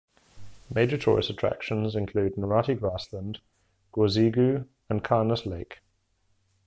Major tourist attractions include Narati Grassland, Guozigou and Kanas Lake.